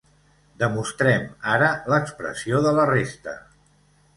Demostrem ara l'expressió de la resta.